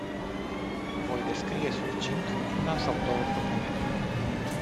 Voi descrie succint una sau două propuneri.